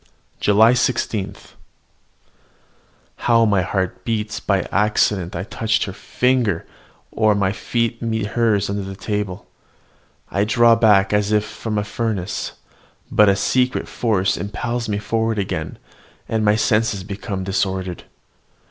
JULY 16. How my heart beats when by accident I touch her finger, or my feet meet hers under the table! I draw back as if from a furnace; but a secret force impels me forward again, and my senses become disordered.